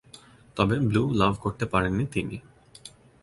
তবে ব্লু লাভ করতে পারেননি তিনি।